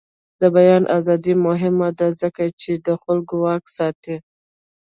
د بیان ازادي مهمه ده ځکه چې د خلکو واک ساتي.